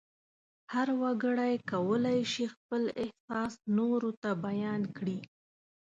هر وګړی کولای شي خپل احساس نورو ته بیان کړي.